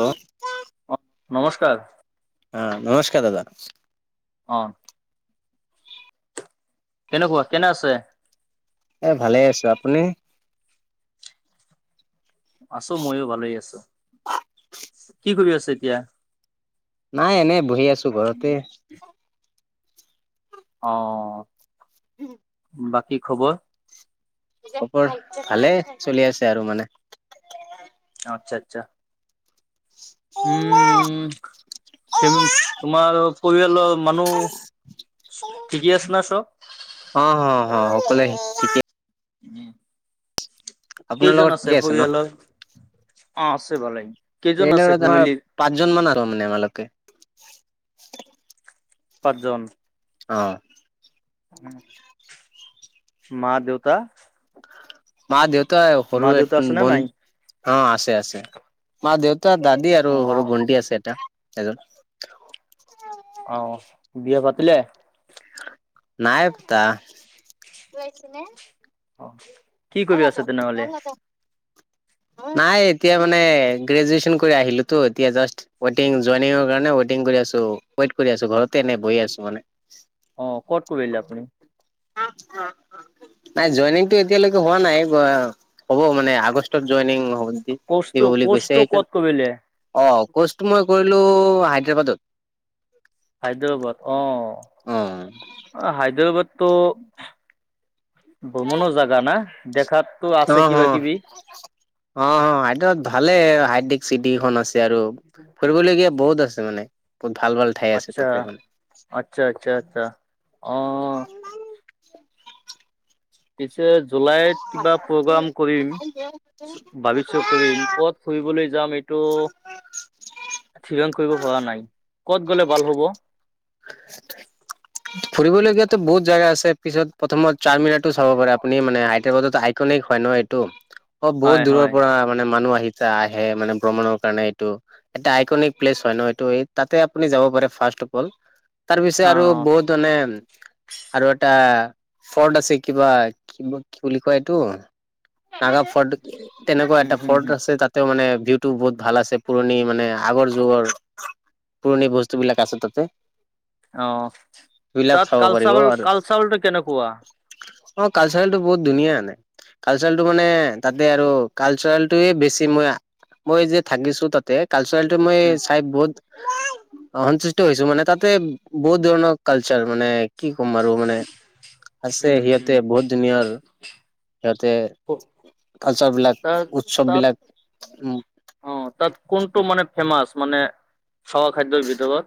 Hello, অ নমস্কাৰ অ', নমস্কাৰ দাদা। অ'। কেনেকুৱা, কেনে আছে? এ ভালে আছোঁ, আপুনি? আছোঁ ময়ো ভালেই আছো, কি কৰি আছে এতিয়া? নাই এনে বহি আছোঁ ঘৰতে। অ'। [inaudible] বাকী খবৰ? খবৰ ভালে চলি আছে আৰু মানে। অ', আচ্ছা আচ্ছা। উম, ফে, তোমাৰ পৰিয়ালৰ মানুহ ঠিকে আছে না চব? অ', অ', অ', সকলোৱে ঠিকে উম। আপোনাৰ লগত কেইজন আছে ঠিকে ন পৰিয়ালৰ, অ', আছে ভালে, কেইজন আছে লগত আমাৰ ফেমিলি? পাঁচজন মান আৰু মানে আমাৰলৈকে। পাঁচজন। অ'। উম, মা-দেউতা। মা দেউতাই, সৰু, মা দেউতা আছে নে ভ, নাই অ', আছে, আছে, মা-দেউ তা দাদী অ আৰু সৰু ভণ্টি আছে এটা এজন। অ', বিয়া পাতিলে? নাই পতা, [unintelligible] অ', কি কৰি আছ তেনেহ'লে? নাই এতিয়া মানে গ্ৰেজুৱেচন কৰি আহিলোতো, এতিয়া জাষ্ট ৱেইটিং, জয়নিং কাৰণে ৱেইটিং কৰি আছো, ৱেইট কৰি আছো, ঘৰতে এনে বহি আছো মানে। অ', ক'ত কৰিলে আপুনি? উম, উম, উ, [unintelligible] নাই, জইনিংতটো এতিয়ালৈকে হোৱা নাই, হ'ব মানে আগষ্টত জইনিং হ'ব। কৰ্চটো দিব বুলি কৈছে, কৰ্চটো ক'ত সেইকাৰণে কৰিলে অ', কৰ্চটো মই কৰিলো হায়দৰাবাদত। হায়দৰাবাদ, অ', হায়দৰাবাদ তো ভ্ৰমণৰ জেগা না, দেখাতো অ আছে হ কিবা-কিবি। অ', সেইটোত ভালে, হাইদ্ৰিক চিটিখন আছে। আৰু ফুৰিবলগীয়া বহুত আছে মানে, বহুত ভাল-ভাল। আচ্ছা, আচ্ছা, আচ্ছা, আচ্ছা, অ'। পিছে জুলাইত কিবা প্ৰ'গ্ৰাম কৰিম, ভাবিছোঁ কৰিম। ক'ত ফুৰিবলৈ যাম এত তো থিৰাং কৰিব পৰা নাই ক'ত গ'লে ভাল হ'ব? ফুৰিবলগীয়াতো বহুত জেগা আছে পিছত প্ৰথমত চাৰ মিনাৰ টো চাব পাৰে আপুনি মানে হাইদৰাবাদত আইকনিক হয় ন এইটো। অ হয় বহুত দূৰৰ হয় পৰা মানে মানুহ আহিছে, আহে মানে ভ্ৰমণৰ কাৰণে এইটো। এটা আইকনিক প্লেচ হয় ন এইটো। এই তাতে আপুনি যাব পাৰে ফাষ্ট‌অফল। তাৰ পিছে অ আৰু বহুত মানে আৰু এটা ফৰ্ট আছে কিবা কি-কি বুলি কোৱা এইটো। নাগা ফৰ্ট, তেনেকুৱা উম এটা হম ফৰ্ট হম আছে তাতেও মানে ভিউ টো বহুত ভাল আছে পুৰণি মানে আগৰ যুগৰ পুৰণি বস্তুবিলাক আছে তাতে। অঁ! সেইবিলাক তাত চাব কালচাৰ কালচাৰেলটো কেনেকুৱা? অঁ! কালচাৰেলটো বহুত ধুনীয়া এনেই। কালচাৰেলটো মানে তাতে আৰু কালচাৰেলটোৱেই বেছি মই মই যে থাকিছো তাতে কালচাৰেলটো মই উম চাই বহুত [unintelligible] অ সন্তুষ্ট হৈছো মানে তাতে বহুত ধৰণৰ কালচাৰ মানে কি ক'ম আৰু মানে আছে উম সিহঁতে বহুত ধুনীয়া আৰু সিহঁতে উম কালচাৰ বিলাক, উৎসৱ বিলাক উম। অঁ! তাত কোনটো মানে ফেমাচ মানে খাৱা খাদ্যৰ ভিতৰত?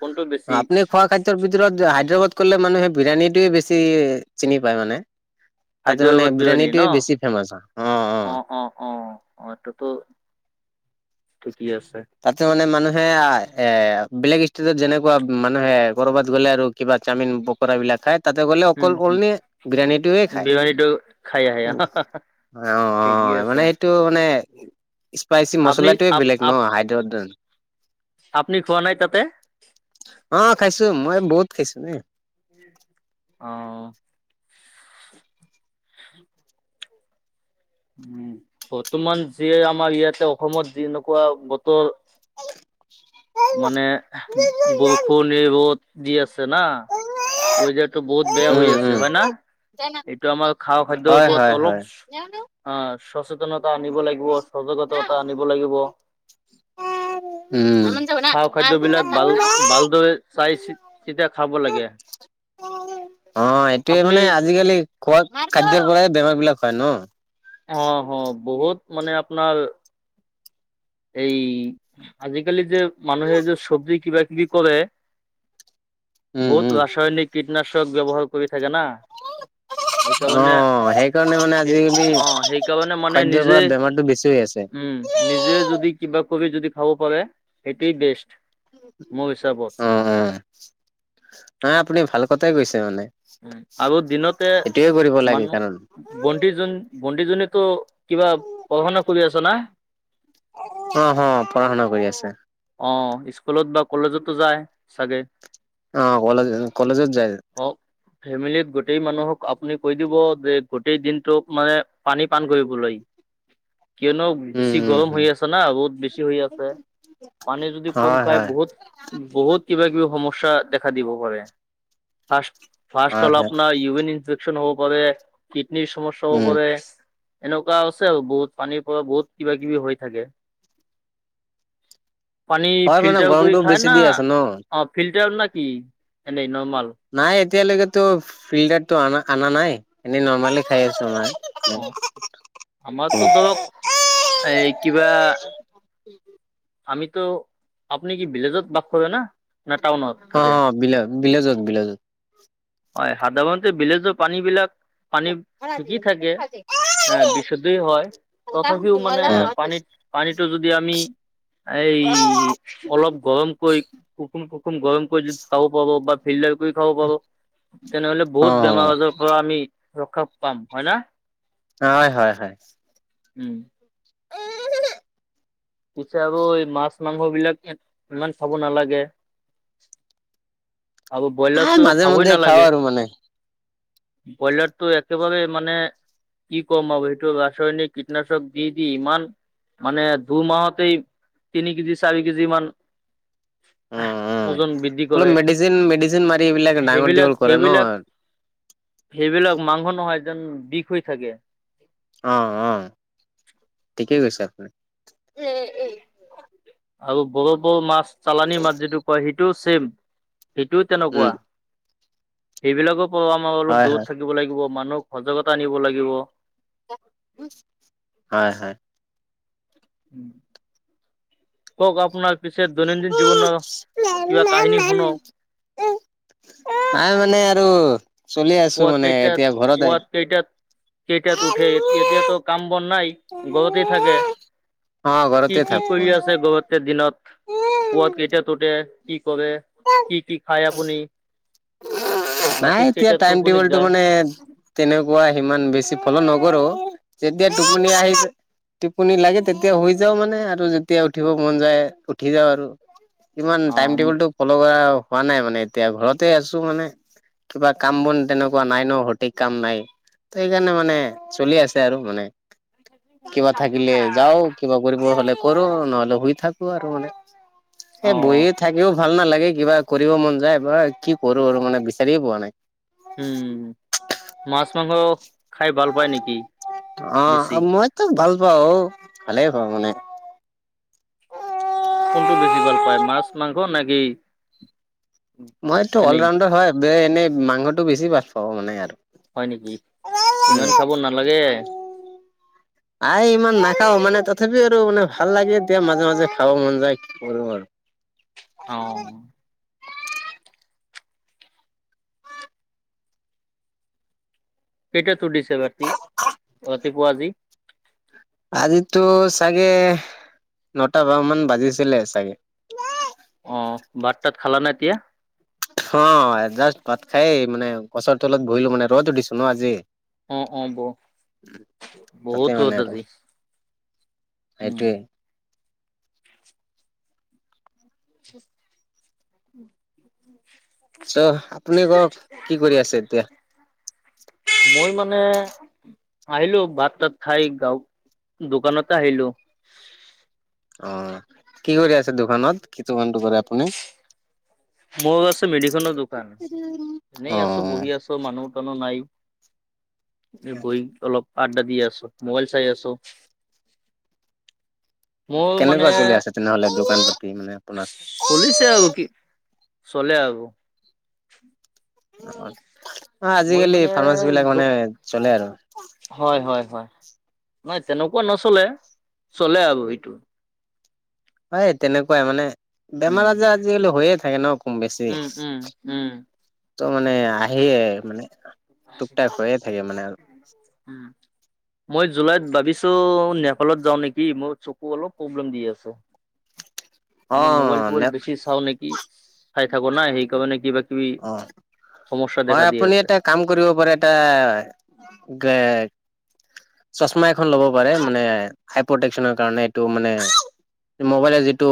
কোনটো বেছি আপুনি খোৱা খাদ্যৰ ভিতৰত হায়দৰাবাদ ক'লে মানুহে বিৰিয়ানীটোৱেই বেছি চিনি পায় মানে। তাতে খাদ্যৰ মানে লগত বিৰিয়ানীটোৱেই বেছি ফেমাচ হয়। অঁ-অঁ! অঁ-অঁ! মাতটোতো ঠিকেই আছে। তাতে মানে মানুহে এ বেলেগ ষ্টেটত যেনেকুৱা মানুহে কৰবাত গ'লে আৰু কিবা চাওমিন, পকৰা বিলাক খায়। তাতে গ'লে অকল উম হম অনলি বিৰিয়ানিটোৱেই খায়। বিৰিয়ানীটো খাই আহে অ ঠিকেই অ আছে। মানে এইটো মানে স্পাইচি আপনি মচলাটোৱেই আপ বেলেগ ন হায়দৰাবাদত। আপুনি খোৱা নাই তাতে? অঁ! খাইছোঁ, মই বহুত খাইছোঁ দেই। [unintelligible] অঁ! [unintelligible] উম! বৰ্তমান যিয়েই আমাৰ ইয়াতে অসমত যেনেকুৱা বতৰ [unintelligible] মানে বৰষুণ এই, ৰ'দ দি আছে না। ৱেদাৰটো বহুত বেয়া হৈ উম উম আছে হয় না? এইটো আমাৰ খোৱা খাদ্যৰ হয় ওপৰত হয় অলপ হয় অঁ! সচেতনতা আনিব লাগিব, সজাগতা আনিব লাগিব। [unintelligible] উম! খাৱা খাদ্যবিলাক ভাল ভালদৰে চাই চিতি তেতিয়া খাব লাগে। [unintelligible] অঁ! এইটোৱেই আপুনি মানে আজিকালি খোৱা খাদ্যৰ পৰাই বেমাৰ বিলাক হয় ন? অঁ! হ বহুত মানে আপোনাৰ এই আজিকালি যে মানুহে যে চব্জি কিবাকিবি কৰে, উম উম বহুত ৰাসায়নিক কীটনাশক ব্যৱহাৰ কৰি থাকে না। সেইকাৰণে অঁ', সেইকাৰণে মানে সেই আজিকালি অ সেইকাৰণে মানে খাদ্যৰ নিজে পৰা বেমাৰটো বেছি হৈ আছে। উম নিজে যদি কবি যদি খাব পাৰে সেইটোৱেই বেষ্ট মোৰ হিচাপত। অঁ', -অঁ', নাই আপুনি ভাল কথাই কৈছে মানে। আৰু সেইটোয়ে কৰিব লাগে সেইকাৰণে। ভণ্টি জন, ভণ্টি জনীকো কিবা পঢ়া শুনা কৰি আছে না? অঁহ', -অঁহ', -পঢ়া শুনা কৰি আছে। অঁ', স্কুলত বা কলেজতো যায় চাগে। অঁ', -কলেজ-কলেজত যায়। অহ'। ফেমিলিত গোটেই মানুহক আপুনি কৈ দিব যে গোটেই দিনটোত মানে পানী পান কৰিবলৈ। কিয়নো উম বেছি উম গৰম উম হৈ আছে না ৰ'দ বেছি হৈ আছে। পানী যদি কম হয় খাই হয় বহুত- বহুত কিবা কিবি সমস্যা দেখা দিব পাৰে। ফাৰ্ষ্ট - হয় হ'ল হয় আপোনাৰ ইউৰিন ইনফেকচন হ'ব পাৰে, কিডনিৰ সমস্যা হ'ব উম পাৰে। এনেকুৱা আছে আৰু বহুত পানীৰ পৰা বহুত কিবা কিবি হৈ থাকে। পানী হয় মানে ফিল্টাৰ কৰি গৰমটো খায় বেছি না, দি আছে ন অঁ' ফিল্টাৰ না কি এনেই নৰ্মেল? নাই এতিয়ালৈকেতো ফিল্টাৰটো আনা নাই এনেই নৰ্মেলেই খাই আছো মই। অ', আমাৰতো ধৰক এই কিবা আমিতো, আপুনি কি ভিলেজত বাস কৰে না? না টাউনত থাকে? অঁ', বিলে-ভিলেজত-ভিলেজত। হয়, সাধাৰণতে ভিলেজৰ পানী বিলাক- পানী ঠিকেই থাকে এ' বিশুদ্ধ হয়। তথাপিও মানে পানীত-পানীটো যদি আমি- এই অলপ গৰমকৈ- গৰম কৰি যদি খাব পাৰো বা ফিল্টাৰ কৰি খাব পাব। তেনেহ'লে বহুত বেমাৰ অ', আজাৰৰ পৰা আমি ৰক্ষা পাম হয় না। হয়-হয়-হয়। উম। পিছে আৰু এই মাছ-মাংস বিলাক ইমান খাব নালাগে। আৰু এই ব্ৰইলাৰটো মাজে মধ্যে খাবই খাওঁ নালাগে। আৰু মানে ব্ৰইলাৰটো একেবাৰেই মানে-। কি কম আৰু সেইটো ৰাসায়নিক কীটনাশক দি-দি ইমান মানে- দুই মাহতেই তিনি কেজি, চাৰি কেজি মান- উম, উম। ওজন বৃদ্ধি অলপ কৰে। মেডিচিন মেডিচিন মাৰি এইবিলাক ডাঙৰ দীঘল কৰে ন। সেইবিলাক-সেইবিলাক- সেইবিলাক মাংস নহয় যেন বিষ হৈ থাকে। অঁ', -অঁ', ঠিকেই কৈছে আপুনি। আৰু বৰ-বৰ মাছ, চালানি মাছ সেইটো কয় সেইটোও ছেইম। সেইটোও উম, তেনেকুৱা, সেইবিলাকো আমাৰ অলপ হয়, হয়, দূৰত থাকিব লাগে। দিব লাগিব, মানুহক সজাগতা আনিব লাগিব। হয়-হয়। উম। কওঁক আপোনাৰ পিছে দৈনন্দিন জীৱনৰ কিবা কাহিনী শুনাৱক। নাই মানে আৰু চলি আছো পুৱাত মানে কেইটাত এতিয়া ঘৰতে। পুৱাত কেইটাত কেইটাত উঠে, এতিয়াটো কাম-বন নাই ঘৰতে থাকে। অ', কি ঘৰতে কি থাকো কৰি মানে। আছে ঘৰতে দিনত? পোৱাত কেইটাত উঠে কি কৰে কি কি খায় আপুনি? নাই ৰাতি এতিয়া কেইটাত টাইম টোপনিত টেবুলটো যায় মানে তেনেকুৱা সিমান বেছি পলম নকৰো যেতিয়া টোপনি আহিছে টিপনি লাগে তেতিয়া শুই যাওঁ মানে আৰু যেতিয়া উঠিব মন যায় উঠি যাওঁ আৰু ইমান অ টাইম টবুলটো ফল' কৰা হোৱা নাই মানে এতিয়া ঘৰতে আছো মানে। কিবা কাম বন তেনেকুৱা নাই ন সঠিক কাম নাই ত সেইকাৰণে মানে চলি আছে আৰু মানে। কিবা থাকিলে যাওঁ। কিবা কৰিব হ'লে কৰো নহ'লে শুই থাকো আৰু মানে অ এই বহিয়ে থাকিও ভাল নালাগে কিবা কৰিব মন যায় বা কি কৰো আৰু মানে বিচাৰিয়ে পোৱা নাই। উম মাছ মাংস খাই ভাল পায় নেকি? অ বেছি মইতো ভাল পাওঁ ভালেই পাওঁ মানে। কোনটো বেছি ভাল পায় মাছ মাংস নে কি? মইটো অল ৰাউণ্ডাৰ হয় এনেই মাংসটো বেছি ভাল পাওঁ মানে আৰু হয় নেকি ইমান খাব নালাগে। আই ইমান নাখাওঁ মানে তথাপিও আৰু মানে ভাল লাগে এতিয়া মাজে মাজে খাব মন যায়। কৰো আৰু অ- কেইটাত উঠিছা ৰাতি ৰাতিপুৱা আজি। আজিতো চাগে নটা ব মান বাজিছিলে চাগে। অ ভাত তাত খালা নে এতিয়া? অ এ জাষ্ট ভাত খাই মানে গছৰ তলত বহিলো মানে ৰ'দো দিছে ন আজি। অ অ বহ, তাতে বহুত মানে ৰ'দ আৰু আজি উম। সেইটোৱে উ। চ' আপুনি কওঁক কি কৰি আছে এতিয়া? মই মানে। আহিলো ভাত তাত খাই গাঁও দোকানতে আহিলো। অ কি কৰি আছে দোকানত কি দোকানটো কৰে আপুনি? মোৰ আছে মেডিচনৰ দোকান এনে অ আছো বহি আছো। ত মানুহ- চানোহ নাই এই বহি অলপ। আড্ডা দি আছো, মোবাইল চাই আছো। মোৰ মানে কেনেকুৱা চলি আছে তেনেহ'লে দোকান পাতি মানে আপোনাৰ? চলিছে আৰু কি চলে আৰু অ মই আজিকালি মানে ফাৰ্মাচী বিলাক মানে চলে আৰু হয় হয় হয় নহয় তেনেকুৱা নচলে চলে আৰু সেইটো। হয় তেনেকুৱাই মানে বেমাৰ উম আজাৰ আজিকালি হৈয়ে থাকে ন। কম বেছি উম উম উম ত মানে আহেই মানে। টুকটাক হৈয়ে থাকে মানে আৰু উম। মই জুলাইত ভাবিছোঁ নেপালত যাওঁ নেকি মোৰ চকু অলপ প্ৰব্লেম দি আছে। অ মানে মোবাইল ট'বাইল নে বেছি চাওঁ নেকি চাই থাকো না সেইকাৰণে কিবা কিবি অ সমস্যা দেখা হয় দি আপুনি আছে এটা কাম কৰিব পাৰে এটা। চশমা এখন ল'ব পাৰে মানে হাই প্ৰটেকচনৰ কাৰণে এইটো মানে। মোবাইলে যিটো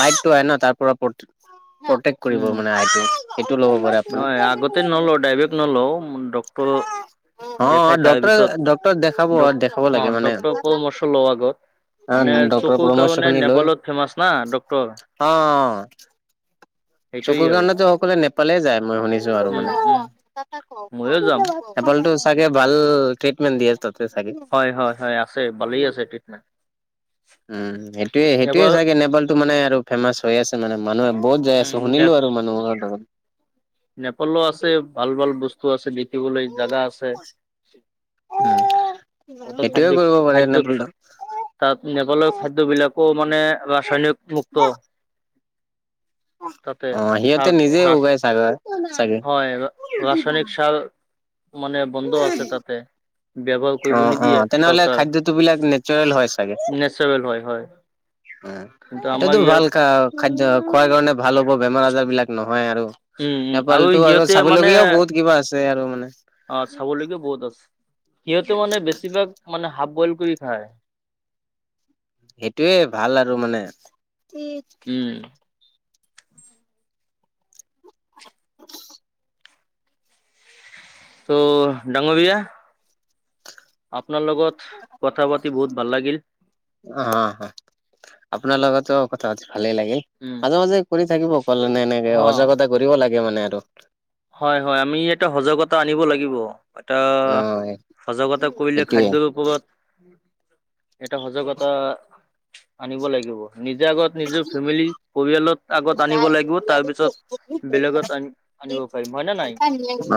লাইটটো আহে ন তাৰ পৰা প্ৰত প্ৰতেক। কৰিব উম মানে আইটো সেইটো ল'ব পাৰে আপুনি। তেনে নলও ডাইৰেক্ট নলও, অ ডক্তৰৰ দেখাই ডক্তৰ তাৰপিছত, ডক্তৰক দেখাব দেখাব অ লাগে মানে ডক্টৰ পৰামৰ্শ লও আগত। অ মানে ডক্তৰৰ চকুৰ পৰামৰ্শ কাৰণে, খিনি লৈ নেপালত ফেমাচ না ডক্তৰ। অ অ সেইটোয়ে চকুৰ আৰু কাৰণতো সকলোৱে নেপালেই যায়, মই শুনিছো। আৰু উম মানে উম ময়ো যাম [unintelligible] নেপালটো চাগে ভাল ট্ৰিটমেণ্ট দিয়ে তাতে চাগে। হয় হয় হয় আছে ভালেই আছে ট্ৰিটমেণ্ট। উম, এইটোয়ে সেইটোয়ে এবাৰ চাগে নেপালটো মানে আৰু ফেমাচ। থৈ আছে মানে মানুহে বহুত যাই আছে, উম নে শুনিলো আৰু মানুহৰ নেপালো আছে ভাল ভাল বস্তু আছে। দেখিবলৈ জাগা আছে। হয়, [unintelligible] হতৰ সেইটোয়ে খাদ্য কৰিব পাৰে খাদ্যত নেপালটো। তাত, নেপালৰ খাদ্যবিলাকো মানে ৰাসায়নিক মুুক্ত। অ সিহঁতে নিজে সাৰ উগাই চাগে, চাগে অ', ৰাসায়নিক সাৰ মানে বন্ধ আছে তাতে, ব্যবহাৰ অ', অ' তেনেহলে খাদ্য বস্তু বিলাক নেচাৰেল হয় চাগে? নেচাৰেল হয় হয় উ, কিন্তু আমাৰ এইটোতো ইয়াৰ ভাল খা খাদ্য খোৱাৰ কাৰণে। ভাল হ'ব বেমাৰ আজাৰ বিলাক নহয় আৰু, উম উম নেপালতো আৰু সিহঁতে মানে চাবলগীয়াও বহুত কিবা আছে। তে আৰু মানে। অ' চাবলৈগীয়া বহুত আছে, সিহঁতে মানে বেছিভাগ মানে হাফ বইল কৰি খায়। এইটোয়ে ভাল আৰু মানে [unintelligible] কে। [unintelligible] ত' ডাঙৰ ভাইয়া? আপোনাৰ লগত কথা পাতি বহুত ভাল লাগিল। অঁ, অঁ আপোনাৰ লগতো কথা পাতি ভালেই লাগিল। উম মাজে মাজে কৰি থাকিব কল এনে এনেকে, হ সজাগতা কৰিব লাগে মানে আৰু। হয়, হয় আমি ইয়াতে সজাগতা আনিব লাগিব। এটা অ সজাগতা কৰিলে সেইটোয়ে খাদ্যৰ ওপৰত, এটা সজাগতা আনিব লাগিব। নিজে আগত নিজৰ ফেমিলি পৰিয়ালত আগত আনিব লাগিব, তাৰ পিছত বেলেগত আন আনিব পাৰিম হয় নে নাই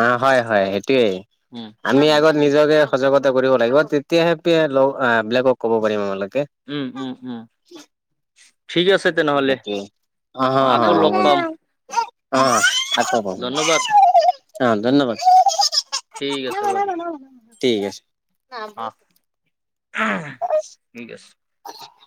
অ', হয় হয় সেইটোৱেই, উম আমি উম আগত- নিজকে সজাগতা কৰিব লাগিব, তেতিয়াহে হেপি বেলেগক ক'ব পাৰিম আমালোকে। উম, উম, উম। ঠিক আছে তেনেহ'লে, সেইটোৱে হ অ' হ আকৌ লগ হ'ব পাম। [unintelligible] উম অ' আকৌ পাম। ধন্যবাদ অ' উম ধন্যবাদ, ঠিক আছে বাৰু ঠিক আছে। ন ব অ লাগিব ঠিক আছে [unintelligible]